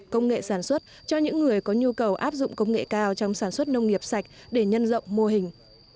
công nghệ sản xuất cho những người có nhu cầu áp dụng công nghệ cao trong sản xuất nông nghiệp sạch để nhân rộng mô hình